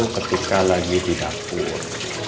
ketika lagi di dapur